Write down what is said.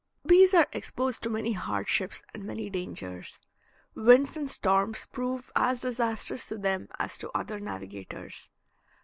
Bees are exposed to many hardships and many dangers. Winds and storms prove as disastrous to them as to other navigators.